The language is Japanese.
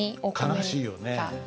悲しいよね。